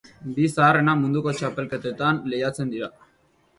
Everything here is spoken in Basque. Bi zaharrenak munduko txapelketetan lehiatzen dira.